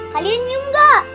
kalian menyolar nggak